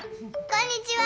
こんにちは。